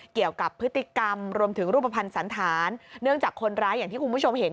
เกี่ยวกับพฤติกรรมรวมถึงรูปภัณฑ์สันธารเนื่องจากคนร้ายอย่างที่คุณผู้ชมเห็น